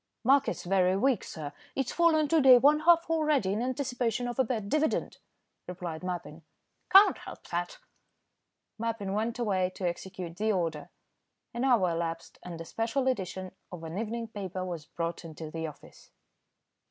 "Market's very weak, sir. It's fallen to day one half already in anticipation of a bad dividend," replied Mappin. "Can't help that." Mappin went away to execute the order. An hour elapsed, and a special edition of an evening paper was brought into the office.